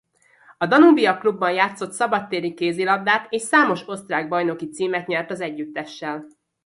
A Danubia klubban játszott szabadtéri kézilabdát és számos osztrák bajnoki címet nyert az együttessel.